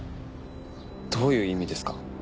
どういう意味ですか？